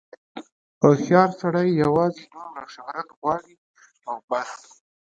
هوښیار سړی یوازې دومره شهرت غواړي او بس.